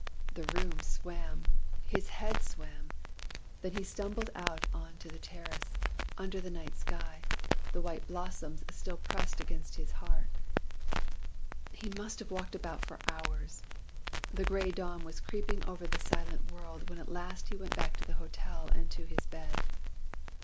The room swam; his head swam. Then he stumbled out on to the terrace, under the night sky, the white blossoms still pressed against his heart. He must have walked about for hours. The grey dawn was creeping over the silent world when at last he went back to the hotel and to his bed.